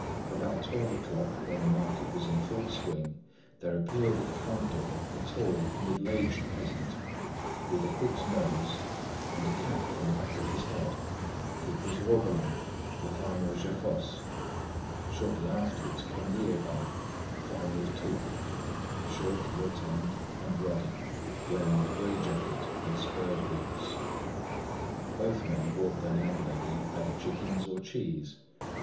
About twelve o'clock, when the market was in full swing, there appeared at the front door a tall, middle aged peasant, with a hooked nose and a cap on the back of his head; it was Robelin, the farmer of Geffosses. Shortly afterwards came Liébard, the farmer of Toucques, short, rotund and ruddy, wearing a grey jacket and spurred boots. Both men brought their landlady either chickens or cheese.